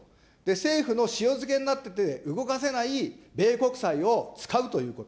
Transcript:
政府の塩漬けになってて動かせない米国債を使うということ。